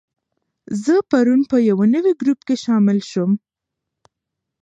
زه پرون په یو نوي ګروپ کې شامل شوم.